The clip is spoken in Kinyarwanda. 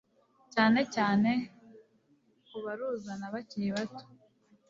cyane cyane ku baruzana bakiri bato